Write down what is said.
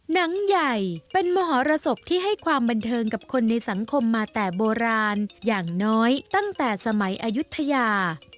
หนังใหญ่เป็นมหรสบที่ให้ความบันเทิงกับคนในสังคมมาแต่โบราณอย่างน้อยตั้งแต่สมัยอายุทยา